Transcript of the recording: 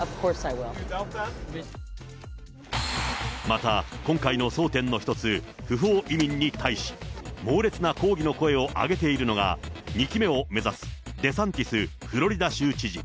また、今回の争点の一つ、不法移民に対し、猛烈な抗議の声を上げているのが、２期目を目指すデサンティスフロリダ州知事。